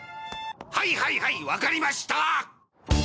はいはいはいわかりました！